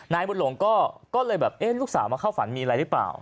นายบุญหลงก็เลยแบบเอ๊ะลูกสาวมาเข้าฝันมีอะไรหรือเปล่า